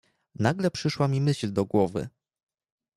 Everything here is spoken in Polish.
"Nagle przyszła mi myśl do głowy."